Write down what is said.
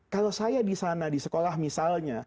kalau saya disana di sekolah misalnya